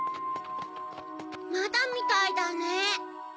まだみたいだね。